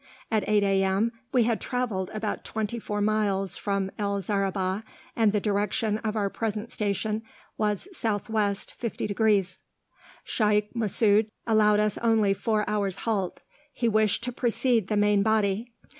At 8 A.M. we had traveled about twenty four miles from El Zaribah, and the direction of our present station was S. W. 50°. Shaykh Masud allowed us only four hours' halt; he wished to precede the main body.